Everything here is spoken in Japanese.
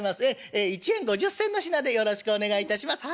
１円５０銭の品でよろしくお願いいたしますはい。